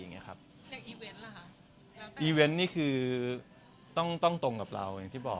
อย่างนี้คือต้องตรงกับเราอย่างที่บอก